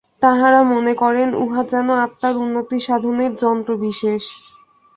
তাঁহারা মনে করেন, উহা যেন আত্মার উন্নতিসাধনের যন্ত্রবিশেষ।